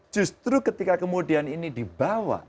justru ketika kemudian ini dibawa